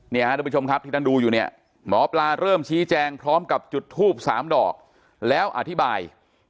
ทุกผู้ชมครับที่ท่านดูอยู่เนี่ยหมอปลาเริ่มชี้แจงพร้อมกับจุดทูบ๓ดอกแล้วอธิบาย